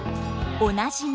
おなじみ